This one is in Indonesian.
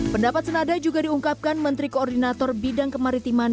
pendapat senada juga diungkapkan menteri koordinator bidang kemaritiman